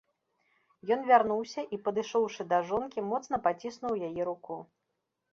Ён вярнуўся і, падышоўшы да жонкі, моцна паціснуў яе руку.